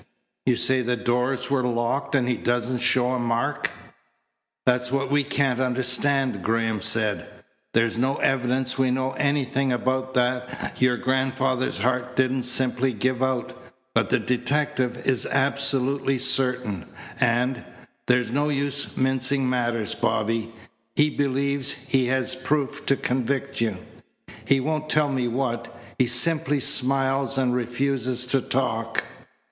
You say the doors were locked and he doesn't show a mark." "That's what we can't understand," Graham said. "There's no evidence we know anything about that your grandfather's heart didn't simply give out, but the detective is absolutely certain, and there's no use mincing matters, Bobby he believes he has the proof to convict you. He won't tell me what. He simply smiles and refuses to talk."